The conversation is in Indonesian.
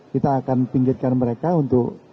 kita akan pinggirkan mereka untuk